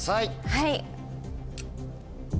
はい！